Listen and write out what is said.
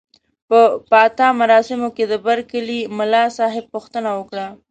په پاتا مراسمو کې د برکلي ملاصاحب پوښتنه وکړه.